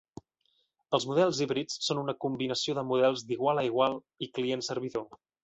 Els models híbrids són una combinació de models d'igual a igual i client-servidor.